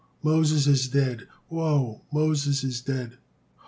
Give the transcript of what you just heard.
Moses is dead. Woe! Moses is dead."